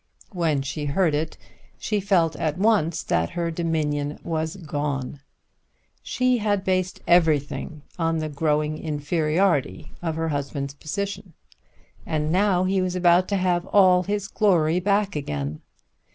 When she heard it she felt at once that her dominion was gone. She had based everything on the growing inferiority of her husband's position, and now he was about to have all his glory back again!